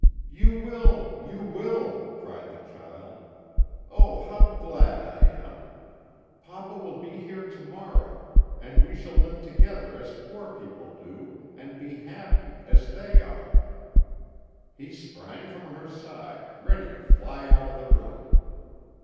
"'You will you will!' cried the child. 'Oh, how glad I am! Papa will be here to morrow, and we shall live together as poor people do, and be happy, as they are!' He sprang from her side, ready to fly out of the room.